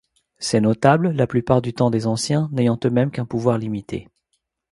Ces notables, la plupart du temps des anciens, n'ayant eux-mêmes qu'un pouvoir limité.